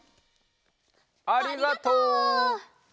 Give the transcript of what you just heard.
ありがとう！